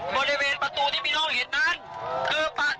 บริเวณประตูที่พี่น้องเห็นนั้นคือประตูที่เข้าทำเนียบรัฐบาลได้แล้ว